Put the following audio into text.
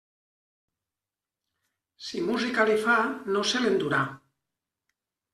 Si música li fa, no se l'endurà.